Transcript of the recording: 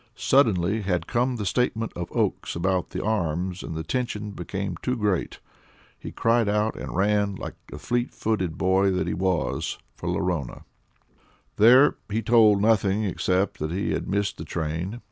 Suddenly had come the statement of Oakes about the arms, and the tension became too great. He cried out and ran, like the fleet footed boy that he was, for Lorona. There he told nothing, except that he had missed the train.